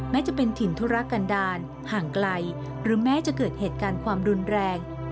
จะเป็นถิ่นธุระกันดาลห่างไกลหรือแม้จะเกิดเหตุการณ์ความรุนแรง